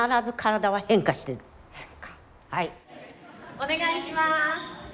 お願いします！